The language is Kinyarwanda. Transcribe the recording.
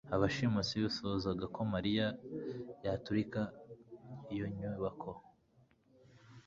Abashimusi bifuzaga ko mariya yaturika iyo nyubako